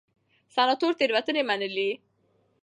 سناتور تېروتنې ومنلې.